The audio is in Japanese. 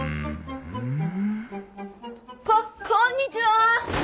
ここんにちは！